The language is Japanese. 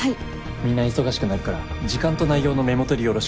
みんな忙しくなるから時間と内容のメモ取りよろしく。